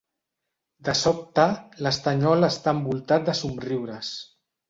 De sobte, l'estanyol està envoltat de somriures.